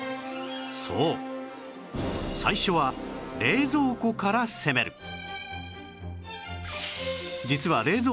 そう最初は冷蔵庫から攻める